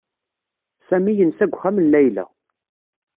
Sami yensa deg uxxam n Layla.